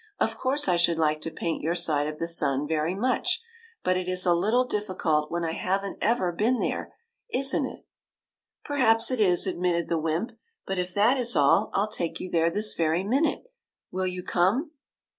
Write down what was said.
'' Of course, I should like to paint your side of the sun very much, but it is a little difficult when I have n't ever been there, is n't it?" " Perhaps it is," admitted the wymp ;'' but if that is all, I '11 take you there this very min ute. Will you come